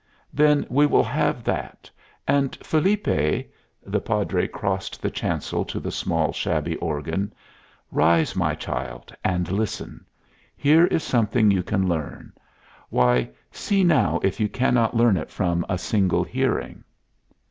"Then we will have that. And, Felipe " The Padre crossed the chancel to the small, shabby organ. "Rise, my child, and listen. Here is something you can learn. Why, see now if you cannot learn it from a single hearing."